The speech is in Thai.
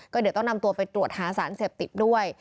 เดี๋ยวต้องนำตัวไปตรวจหาสารเสพติดด้วย